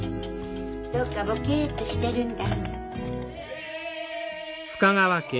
どっかボケっとしてるんだ。